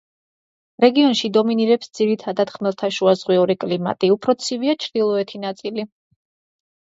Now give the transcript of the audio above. რეგიონში დომინირებს ძირითადად ხმელთაშუაზღვიური კლიმატი, უფრო ცივია ჩრდილოეთი ნაწილი.